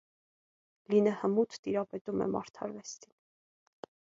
Լինը հմուտ տիրապետում է մարտարվեստին։